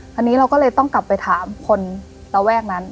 ทีนี้เราก็เลยต้องกลับไปถามคนระแวกนั้น